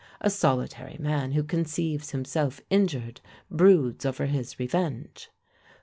A solitary man who conceives himself injured broods over his revenge.